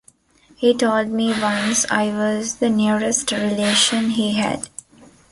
He told me once I was the nearest relation he had.